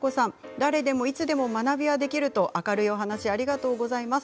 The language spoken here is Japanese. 誰でもいつでも学びができると明るいお話ありがとうございます。